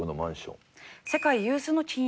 世界有数の金融